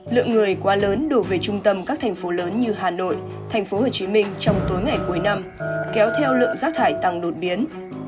lượng người quá lớn đổ về trung tâm các thành phố lớn như hà nội thành phố hồ chí minh trong tối ngày cuối năm kéo theo lượng rác thải tăng đột biến